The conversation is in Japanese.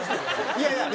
いやいや。